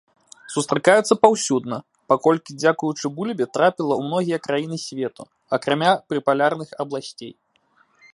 Сустракаюцца паўсюдна, паколькі дзякуючы бульбе трапіла ў многія краіны свету, акрамя прыпалярных абласцей.